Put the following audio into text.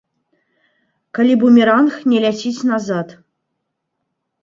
Калі бумеранг не ляціць назад.